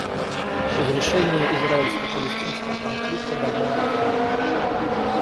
Разрешение израильско-палестинского конфликта давно назрело.